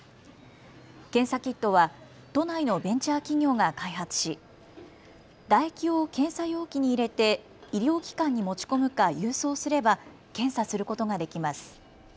検査キットは都内のベンチャー企業が開発し、唾液を検査容器に入れて医療機関に持ち込むか郵送すれば検査することができます。